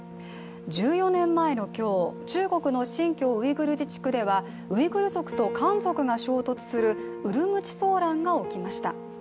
１４年前の今日、中国の新疆ウイグル自治区ではウイグル族と漢族が衝突するウルムチ騒乱が起きました。